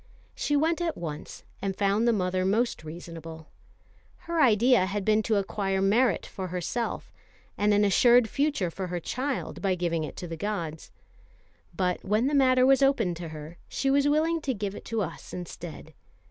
She went at once, and found the mother most reasonable. Her idea had been to acquire merit for herself, and an assured future for her child, by giving it to the gods; but when the matter was opened to her, she was willing to give it to us instead.